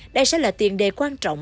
đây sẽ là tiền đề quan trọng